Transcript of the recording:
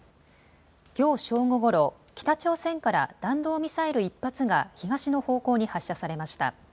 きょう正午ごろ北朝鮮から弾道ミサイル１発が東の方向に発射されました。